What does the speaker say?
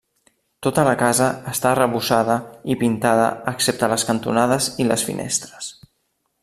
Tota la casa està arrebossada i pintada excepte les cantonades i les finestres.